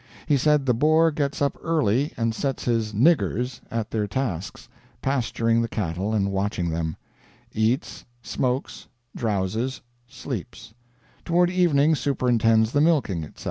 He said the Boer gets up early and sets his "niggers" at their tasks (pasturing the cattle, and watching them); eats, smokes, drowses, sleeps; toward evening superintends the milking, etc.